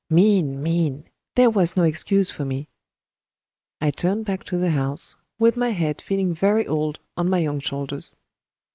Mean! mean! there was no excuse for me. I turned back to the house, with my head feeling very old on my young shoulders.